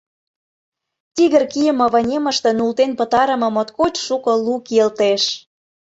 Тигр кийыме вынемыште нултен пытарыме моткоч шуко лу кийылтеш.